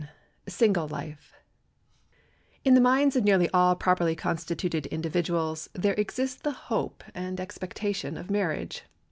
] In the minds of nearly all properly constituted individuals there exists the hope and expectation of marriage.